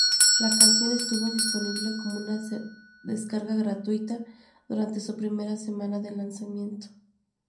La canción estuvo disponible como una descarga gratuita durante su primera semana de lanzamiento.